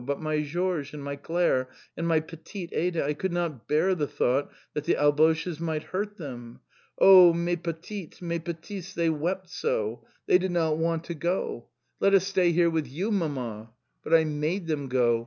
But my Georges, and my Clare, and my petite Ada I could not bear the thought that the Alboches might hurt them. Oh, mes petites, mes petites! They wept so. They did not want to go. 'Let us stay here with you, Mama.' But I made them go.